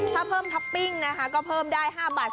ถ้าเพิ่มตั๊บปิ้งก็เพิ่มได้๕๑๐บาท